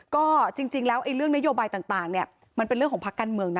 ก็จริงแล้วเรื่องนโยบายต่างเนี่ยมันเป็นเรื่องของพักการเมืองนะ